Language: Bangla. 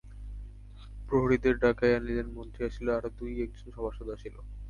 প্রহরীদের ডাকাইয়া আনিলেন, মন্ত্রী আসিল, আর দুই-একজন সভাসদ আসিল।